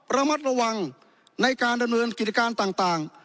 ระมัดระวังในการดำเนินกิจการต่าง